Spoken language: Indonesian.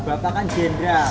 bapak kan jendera